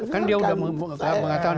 kan dia sudah mengatakan